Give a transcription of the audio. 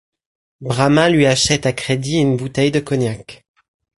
Brama lui achète à crédit une bouteille de cognac.